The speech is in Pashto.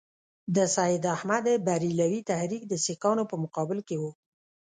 د سید احمدبرېلوي تحریک د سیکهانو په مقابل کې وو.